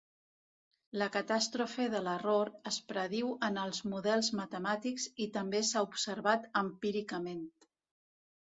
La catàstrofe de l'error es prediu en els models matemàtics i també s'ha observat empíricament.